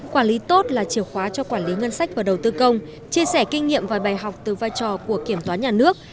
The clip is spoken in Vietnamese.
quản lý tốt là chiều khóa cho quản lý ngân sách và đầu tư công chia sẻ kinh nghiệm và bài học từ vai trò của kiểm toán nhà nước